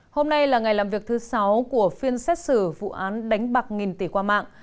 hôm nay là ngày làm việc thứ sáu của phiên xét xử vụ án đánh bạc nghìn tỷ qua mạng